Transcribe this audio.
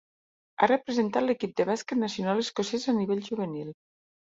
Ha representat l'equip de bàsquet nacional escocès a nivell juvenil.